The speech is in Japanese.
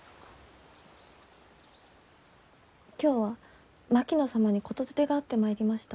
今日は槙野様に言伝があって参りました。